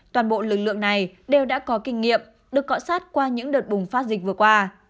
toàn bộ lực lượng này đều đã có kinh nghiệm được cọ sát qua những đợt bùng phát dịch vừa qua